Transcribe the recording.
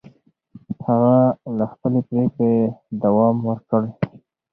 هغه له خپلې پرېکړې دوام ورکړ.